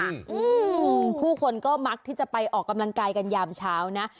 อืมผู้คนก็มักที่จะไปออกกำลังกายกันยามเช้านะ